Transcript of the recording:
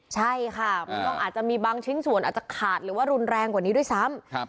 ใช่ค่ะมันต้องอาจจะมีบางชิ้นส่วนอาจจะขาดหรือว่ารุนแรงกว่านี้ด้วยซ้ำ